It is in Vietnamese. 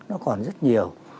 nó còn rất nhiều